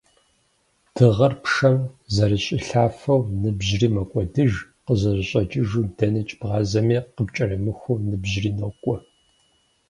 Дыгъэр пшэм зэрыщӏилъафэу, ныбжьри мэкӏуэдыж, къызэрыщӏэкӏыжу - дэнэкӏэ бгъазэми, къыпкӏэрымыхуу ныбжьри нокӏуэ.